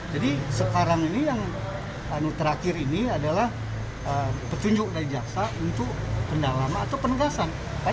jadi sekarang ini yang terakhir ini adalah petunjuk dari jaksa untuk pendalaman atau penegasan